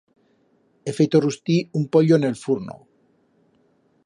He feito rustir un pollo en el furno.